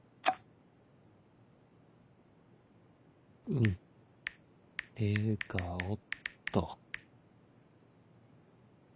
「うん笑顔」っと。